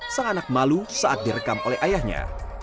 sang anak malu saat direkam oleh ayahnya